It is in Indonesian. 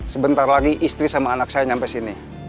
sebentar lagi istri sama anak saya sampai sini